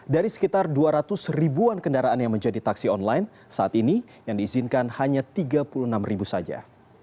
dari sekitar dua ratus ribuan kendaraan yang menjadi taksi online saat ini yang diizinkan hanya tiga puluh enam ribu saja